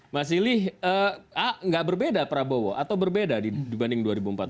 mas ilih nggak berbeda prabowo atau berbeda dibanding dua ribu empat belas